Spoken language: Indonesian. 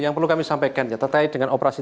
yang perlu kami sampaikan ya terkait dengan operasi